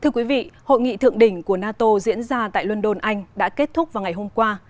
thưa quý vị hội nghị thượng đỉnh của nato diễn ra tại london anh đã kết thúc vào ngày hôm qua